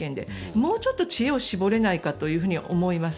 もうちょっと知恵を絞れないかと思います。